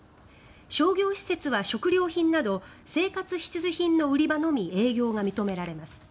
商業施設は食料品など生活必需品の売り場のみ営業が認められます。